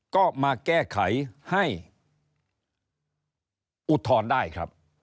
ก็มาแก้ไขให้อุทธรณ์ได้ครับ